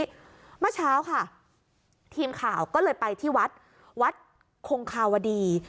เมื่อเช้าค่ะทีมข่าวก็เลยไปที่วัดวัดคงคาวดี